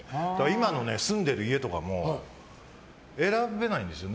今の住んでる家とかも選べないんですよ。